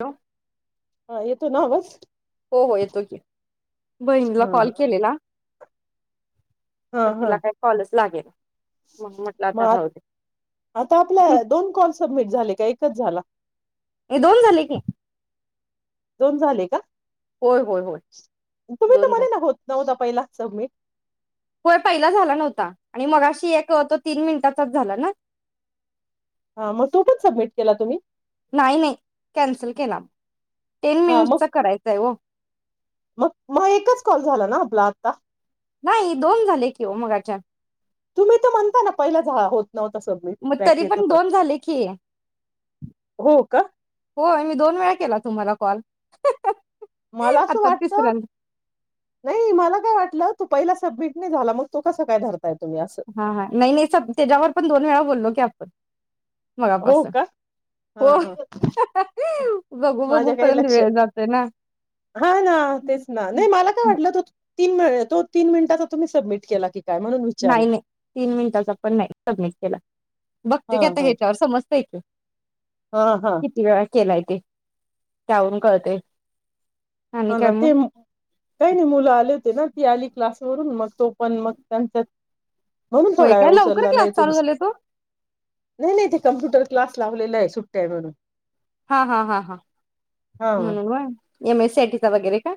Hello हा येतो ना आवज. हो हो येतो की बहीणीला हा हा. कॉल केलेला हा पण हा तिला काही कॉलच लागेना मग म्हटलं आता मग राहू दे. आता आपल्या दोन कॉल सबमिट झाले का एकच झाला? हे दोन झाले की. दोन झाले का. होय होय होय तुम्ही तर दोन झाले म्हणेना होत जाऊ नको. पहिला सबमिट. होय पहिला झाला नव्हता आणि मग अशी एक तो तीन मिनिटाचाच झाला ना. हा मग तो पण सब्मिट केला तुम्ही. नाही नाही कॅन्सल केला. टेन मग मिनिट्चा करायचंय. हो हा मग एकच कॉल झाला. ना आपला आता नाही दोन झाले कि हो मगाच्याने तुम्ही तर म्हणता ना पहिलंच होत. नव्हता सबमिट मग बॅक तरी येत पण होता दोन झाले की हो का हो मी दोन वेळा केला. तुम्हाला कॉल मला असं आता वाटत तिसऱ्यांदा नाही मला काय वाटलं तुम्ही पहिला सबमिट नाही झाला. मग तो कसा काय धरता. हा हा नाही नाही स त्याच्यावर पण दोन वेळा बोललोकी आपण ह [inaudible] हो का ह बघू बघू माझ्या काही पर्यंत लक्ष वेळ जातोय ना हा ना तेच ना नाही मला काय वाटलं. तो तीन मिनिटांचा तुम्ही सबमिट केलाकी नाही नाही तीन मिनिटाच पण नाही सबमिट केला. बघते हां की आता हां ह्याच्यावर समजतय की हां हां किती वेळा केलाय. त्यावरून कळतंय. हा ना ते काही नाही मुलं आले होते. ना तीआली क्लास वरून मग तो पण मग त्यांचात म्हणून होय थोडा काय लवकर उचलला क्लास नाही चालू तुमचा झाले तो नाही नाही ते कम्प्युटर क्लास लावलेला आहे सुट्ट्या म्हणून हा हा हा हा हां म्हणून होय. M S C I T चा वगैरे का.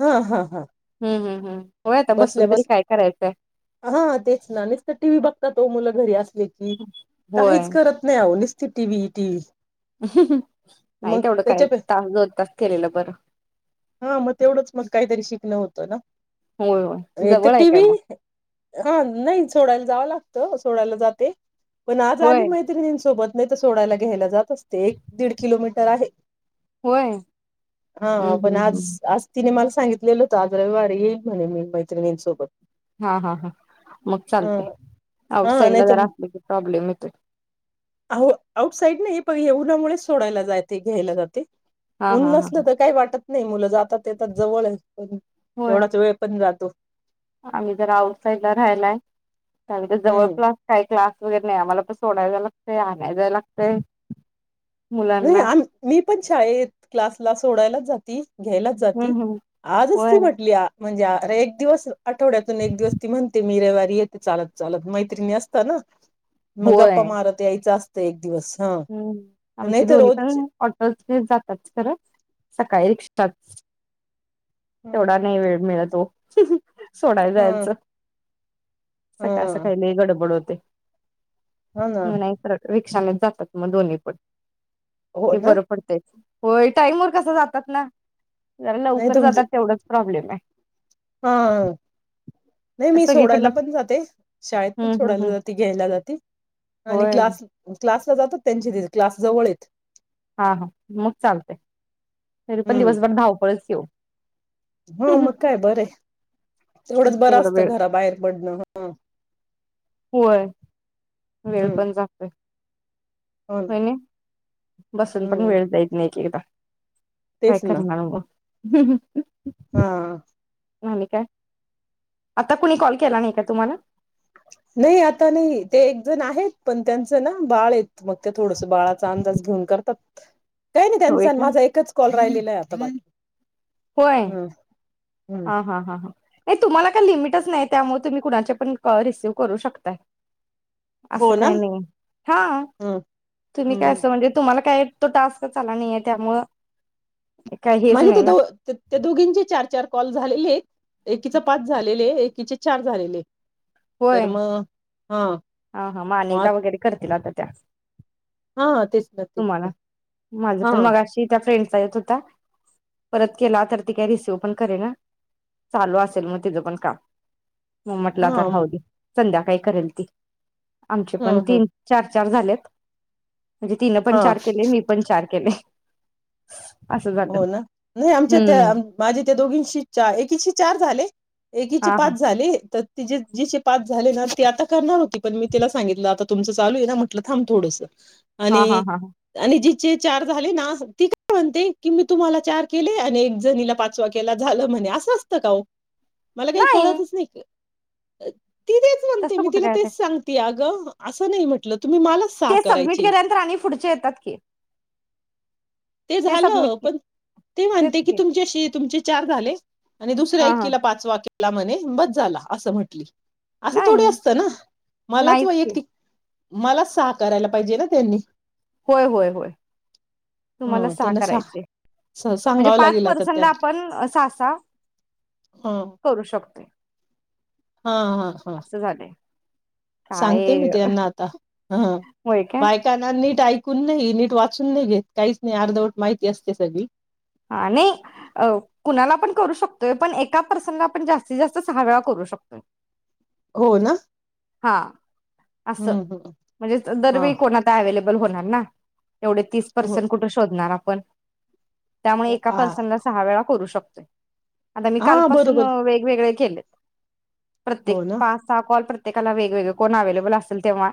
हम्म हम्म हम् ह हा हां बसल्या बस हा तेच ना नचत टीव्ही बघतात. तो मुलं घरी असत. होय काहीच करत नाही. स टी व टी नाही मग तेवढं काय त्याच्या तास दोन तास केलेलं बरं हां मग तेवढंच मग काहीतरी शिकणं होतं ना होय होय एक तर जवळ आहे टी काय मग, व्ही हा नाही सोडायला जावं लागतं सोडायला जाते. पण आज आली होय मैत्रिणीं सोबत, नाही तर सोडायला घ्यायला जात असते एक दीड किलोमीटर आहे. होय हा हम्म पण हम्म आज हम्म आज तिने मला सांगितलेल होत आज रविवारी म्हणे मी मैत्रीणीन सोबत हा हा हा मग चालतय आउट हा साईड नाही ला जरा असले की प्रॉब्लेम येतो. आउट साईड नाही पण ये उनमुळेच सोडायला जाते घ्यायला जाते. हा ऊन हा हा नसल तर काय वाट त नाही मुलं जातात येतात जवळ आहे. होय तेवढाच वेळ जातो. आम्ही जर आउटसाईडला राहायलाय. आणि इत हम्म. जवळप्लास काय क्लास वगैर नाही आम्हाला पण सोडाय जाय लागतय, आणाय‌ जाय लागतय. नाही आम मी पण शाळेत क्लासला सोडायलाच जाती घ्यायलाच जाती हम्म हम्म आजच होय ती म्हटल्या म्हणजे अरे एक दिवस आठवड्यातून एक दिवस ती म्हणते मी रविवारी येते चालत चालत मैत्रिणी असत ना मग होय. गप्पा मारत यायचं असत. एक दिवस हा हम्म नाही आमचे तर दोन्ही रोज पण [unintelligible] जाताच खरं सकाळी [inaudible] हम्म तेवढा नाही वेळ मिळत ओ सोडायला हम्म जायचं सकाळ हम्म सकाळी लई गडबड होते. हा ना हम्म नाही रिकव चालत जातात. मग दोन्ही पण हो हे ना बरं पडतय. होय टाईम वर कस जातात ना? जरा नाही लवकर तुमच जातात, तेवढंच प्रॉब्लेम आहे. हा नाही मी सोडायला सगळीकडनं पण जाते शाळेत हम्म हम्म सोडायला हम्म जाते घ्यायला जाते आणि होय क्लास क्लास जातात त्यांच ते क्लास जवळ ए‌ हा हा मग चालतय तरी पण दिवसभर धाव पळच हो. हो मग काय बर ये तेवढंच बरं तेवढा वेळ असतं घरा बाहेर पडणं ह. होय. वेळ हम्म पण जातोय. हो ना होयन बसून पण हम्म वेळ जाईत नई की आता. काय तेच ना करणार आग? [unintelligible] हा. आणि काय आता कुणी कॉल केला नाही का तुम्हाला? नाही आता नाही ते एक जण आहे पण त्यांचं ना बाळेत मग ते थोडस बाळाचा अंदाज घेऊन करतात. काही नाही होय त्यांचा का माझा एकच कॉल राहिलेलं आहे आता म होय. आ हा हा हा. ये तुमाला का लिमिट च नाही त्यामुळे तुम्ही कुणाच्या पण कॉल रिसीव्ह करू शकताय. हो असं ना काही नाही हा हम्म तुम्ही हम्म काय हम्म असं म्हणजे तुम्हाला काय तो टास्कच आला नाही ये त्यामुळं काय हेच म्हणजे ते नाही ना दो त्या दोघींचे चार चार कॉल झालेले येत. एकीच पाच झालेले एक की चे चार झालेले. तर होय म हा हा म अनेकदा वगैरे करतील आता त्या हा तेच ना तेच तुम्हाला ना माझ हा पण मगशी कसं ये आता येत होता परत केला तर ती काय रिसिव्ह पण करे ना चालू असेल मग तिज पण काम म म्हटल हा आता हम्म राहूदे. संध्याकाळी करेल ती आमचे पण हम्म तीन, चार चार झालेत. म्हणजे तिनं पण हा चार केले मी पण चार [unintelligible] हो ना नाही आमच्या हम्म त्या माझे त्या दोघींशी च एकीशी चार झाले. एकीचे हा पाच हा झाले तर तीज्याशी पाच झाले ना ते आता करणार होती पण मी तला सांगितलं आता तुमचं चालू आहे ना म्हटल थांब थोडंसं हा हा आणि हा हा. आणि जी चे चार झाले ना ती काय म्हणते कि मी तुम्हाला चार केले आणि एक जणीला पाचवा केला झालं म्हणे असं असतं का ओ मला काही कळतच नाही का? अ ती तेच म्हणते तसं मी कुठं तिला काय आता तेच सांगते आगं असं नाही म्हटलं तुम्ही मलाच सहा ते सबमिट करायचे केल्यानंतर आणि पुढचे येतात की ते सबमिट झालं के पण ती म्हणते की तुमच तुम चार झाले. आणि दुसऱ्या हा हा एकीला पाचवा के ला म्हणे बस झाला असं म्हंटली असं नाही थोडी असतं ना मलाच नाहीच की वैयक्तिक मला सहा करायला पाहिजे ना त्यांनी होय, होय, होय. तुम्हाला ह सहा त्यांना सा करायचे म्हणजे सांगावं पाच लागेल आता पर्सनला त्यांना आपण सहा, सहा ह करू शकतो. ते हा हा हा सांगते मी काय त्यांना आता हा होय काय बायकांना नीट ऐक कोण नाही नीट वाचून नाही घेत काहीच नाही अर्धवट माहिती असते सगळी हा नाही कुणाला पण करू शकतोय पण एकाच प्रसंग आपण जास्तीत जास्त सहा वेळा करू शकतोय हो ना हा अस हम्म हम् म्हणजे हा दरवेळी कोणा अवेलेब ल होणार ना [unintelligible] एवढे तीस हो पर्सन कुठे शोधणार आपण. पण त्यामुळे एका हा पर्सनला सहा वेळा करू शकतो [unintelligible] आता मी हा कालपासून बरोबर वेगवेगळे केले. प्रत्येक हो ना पाच सहा कॉल प्रत काला वेगवेगळ कोण अवेलेबल असल तेव्हा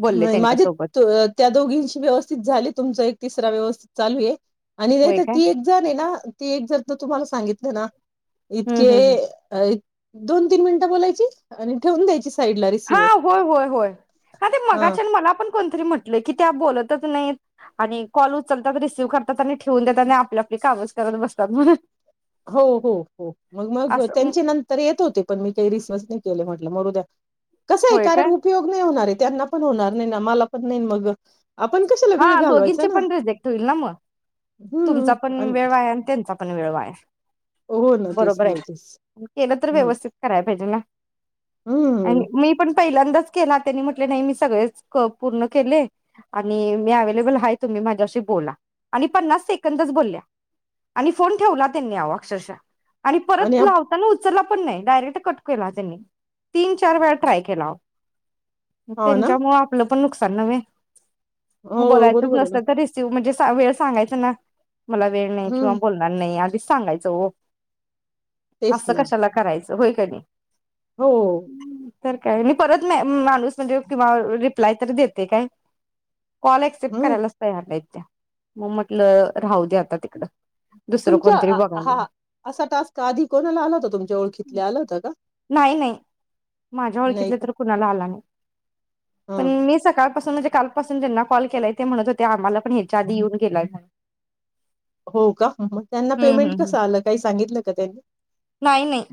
बोलले मय माझे [unintelligible] त्यांच्यासोबत त्या दोघींशी व्यवस्थित झाले, तुमचा एक तिसरा व्यवस् चालू ये. आणि नई होय तर काय ती एक जण ये ना, ती एक जण तर तुम्हाला सा सांगितलं ना इतके हम्म हम्म अ इत दोन तीन मिनिटं बोलायची आणि ठेवून द्यायची स हा होय होय होय, हा ते मगाच्यान मला पण कोणतरी म्हटल की त्या बोलतच नईत आणि कॉल उचलतात, रिसिव्ह करतात आणि ठेउन देतात आणि आपली आपली कामच करत बसतात म्हणून हो हो हो मग मग असं त्यांचे नंतर येत होते, पण मी काही रिसीव्हच नाही केले म्हट ल मरू द्या. कसं ये होय कारण काय उपयोग नई होणार ये. त्यांना पण होणार नई ना, मला पण नई न मग आपण कशाला वेळ हा घालवायचा दोघींचे ना पण रिजेक्ट होईल ना मग, तुमचा पण वेळ वाया आणि त्यांचा पण वेळ वाया हो ना तेच बरोबर आहे, ना तेच केलं तर हम्म व्यवस्थित कराय पाहिजे ना आणि हम्म मी पण पहिल्यांदाच केला, त्यांनी म्हटले नाही मी सगळेच क पूर्ण केले, आ आणि मी अवेलेबल हाय तुम्ही माझ्याशी बोला आणि पन्नास सेकंदच बोलल्या आणि फोन ठेवला त्यांनी अवो अक्षरशा आणि परत लावताना उच उचल्ला पण नाई, डायरेक्ट कट केला त्यांनी, तीन चार वेळा ट्राय केला अवो उ हो ना त्यांच्यामुळे आपलं पण नुकसान नव्हे. म हो बोलायचंच बरोबर आहे ना नसेल तर रिसिव म्हणजे स चा वेळ सांगायचं ना मला वेळ नई किंवा हम्म बोलणार नई, आधीच सांगायचं ओ तेच असं ना कशाला करायचं. व्हय कणी हो. तर काय नि परत नाय, उम माणूस म्हणजे किंवा रिप्लाय तर देतय काय कॉल एक्सेप्ट हम्म करायलाच तयार नईत त्या मग म्हटलं राहू दे आता तिकडं दुसरं तुमच्या कोणतरी हं बघायला हा असा टास्क आधी कोणाला आला होता. तुमच्या ओळखीतले आला होत का? नाही नाही माझ्या नाही ओळखीतलं का? तर कुणाला आला नाही हा. सकाळ पासून ज्याना कॉल केलाय ते म्हणत होते, आम्हाला पण ह्याच्या आधी येऊन गेलाय. हो का? मग त्यांना हम्म हम्म पेमेंट हम्म. कसं आलं काही सांगितलं का त्यांनी नाही नाही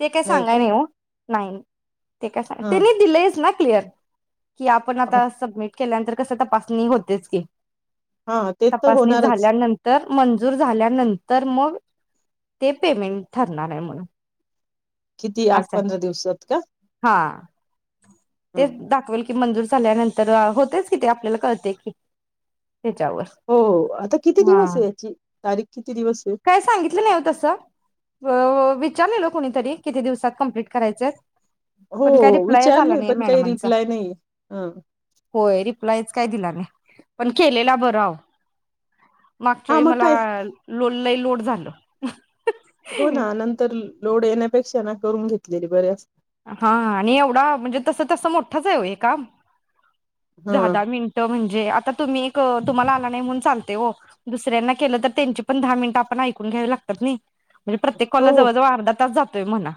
ते काय सांगाया नाही हो नाही. ते काय सांगा हा त्यांनी दिलयच ना क्लियर कि आपण हो आता सबमिट केल्यानंतर कस तपासणी होतेच की हा ते तर तपासणी होणारच झाल्यानंतर मंजूर झाल्यानंत तर मग ते पेमेंट ठरणार आहे म्हनून किती आठ पंधरा दिवसात का? तेच हं. दाखवेल. कि मंजूर झाल्यानंतर होतेच कि ते आपल्याला कळते की त्याच्यावर हो आता किती हा दिवस आहे याची तारीख किती दिवस आहे काय सांगितलं नाही हो तस विचारलेलं कुणीतरी किती दिवसात कम्प्लीट करायच? हो विचारलंय पण काही रिप्लाय नाही ह. रिपलायच काय दिला नाही पण केलेला बर हाव. हा मागच्यावेळी मग काय मला लई लोड झाल. हो ना नंतर लोड येण्यापेक्षा ना करून घेतलेली बर अस हा आणि एवढा म्हणजे तसं तसं मोठंच आहे हे काम हा दहा दहा मिनट म्हणजे आता तुम्ही एक तुम्हाला आला नाही म्हणून चालते हो दुसऱ्यांना केलं तर त्यांची पण दहा मिनिटं आपण ऐकून घ्यावी लागतात नाही. म्हणज प्रत्येक कॉला हो जवळ जवळ अर्धा तास जात. तय म्हणा.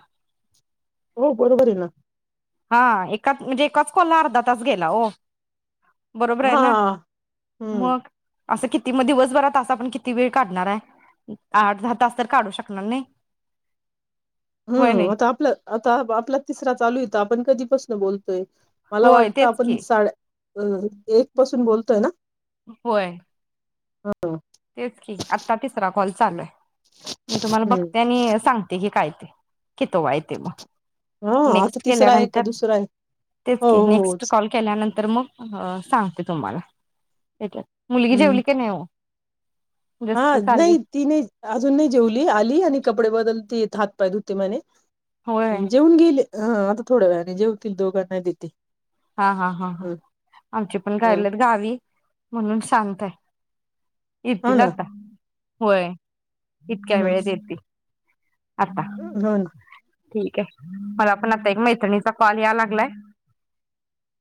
हो बरोबर आहे ना हा एकच म्हणजे एकाच कोलला अर्धा तास गेला हो बरोबर आहे हा ना हम्म मग असं किती मग दिवसभर तास आपण किती वेळ काढणार आहे. आठ दहा तास तर काढू शकणार नाही. होय हम्म नाही आता आपलं आता आपला तिसरा चालू यथ आपण कधीपासून बोलतोय. मला होय वाटतं तेच की आपण साड्या अ एक पासून बोलतोय ना होय हा तेच की आता तिसरा कॉल चालू आहे. मी तुम्हाला हम्म बघते आणि सांगते की काय [unintelligible] कितवाय तेे मग हा आता नेक्स्ट तिसरा आहे का केल्यानंतर, दुसरा आहे तेच हो की हो नेक्स्ट होच कॉल केल्यानंतर मग सांग तुम्हाला [unintelligible] मुलगी हम्म जेवली की नाय ओ? हा नाही ती नाही अजून नाही जेवली, आली आणि कपडे बदल त येत हात पाय धुते म्हणे होय जेऊन गेले आता थोडा वेळाने जेवतील आता दोघांना देते. हा हा हा ह आमची पण ह गायल्यात गावी म्हणून शांत आहे. हो इतील ना आता होय इतक्या ह वेळच येते आता हो ना ठीक आहे, मला पण आता एक मैत्रणीचा कॉल या लागलाय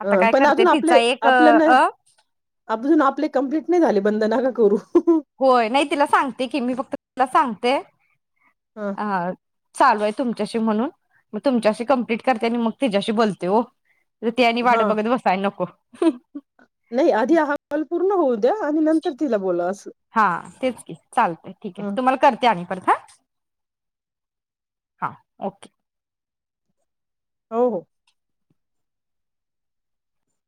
अ आता काय पण करते अजून आपले तिचा एक अ आपलं ना अ, अजून आपले कंप्लीट नाही झाले बंधना करू होय नाही तिला सांगते की, मी फक्त तीला सांगते हा चालू आहे तुमच्याशी म्हणून तुमच्याशी कंप्लीट करते आणि मग तिच्याशी बोलते ओ ती आणि वाट हा बघत बसायला नको [unintelligible] नाही आधी हा कॉल पूर्ण होऊ द्या आणि नंतर तिला बोला असं हा तेच की चालतय, ठीक आहे ह तुम्हाला करते आणि परत हां हा ओके. हो हो